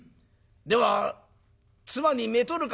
では妻にめとるか」。